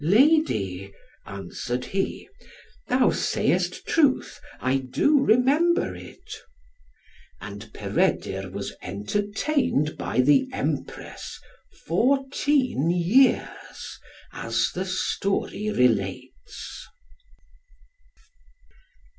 "Lady," answered he, "thou sayest truth, I do remember it." And Peredur was entertained by the Empress fourteen years, as the story relates.